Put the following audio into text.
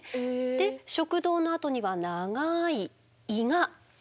で食道のあとには長い胃が続きます。